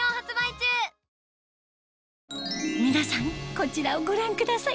こちらをご覧ください